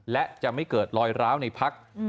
และจะไม่เกิดลอยร้าวในพัก